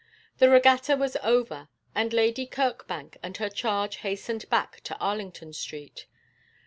The regatta was over, and Lady Kirkbank and her charge hastened back to Arlington Street.